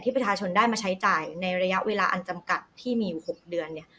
ประชาชนได้มาใช้จ่ายในระยะเวลาอันจำกัดที่มีอยู่๖เดือนเนี่ย